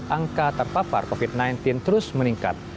angka terpapar covid sembilan belas terus meningkat